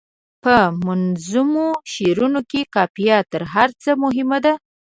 په منظومو شعرونو کې قافیه تر هر څه مهمه ده.